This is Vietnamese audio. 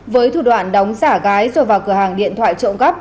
với thủ đoạn đóng giả gái rồi vào cửa hàng điện thoại trộm cắp